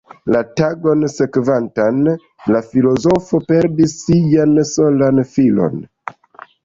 La tagon sekvantan, la filozofo perdis sian solan filon.